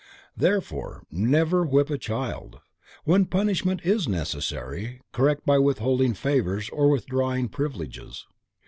Therefore, never whip a child; when punishment is necessary, correct by withholding favors or withdrawing privileges.